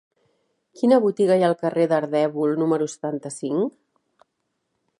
Quina botiga hi ha al carrer d'Ardèvol número setanta-cinc?